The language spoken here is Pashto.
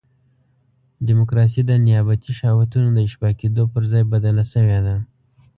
ډیموکراسي د نیابتي شهوتونو د اشباع کېدو پر ځای بدله شوې ده.